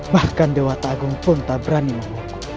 bahkan dewa tengah agung pun tak berani mengutukmu